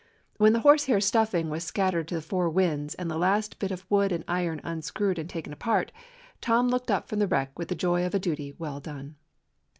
When the horsehair stuffing was scattered to the four winds, and the last bit of wood and iron unscrewed and taken apart, Tom looked up from the wreck with the joy of a duty well done.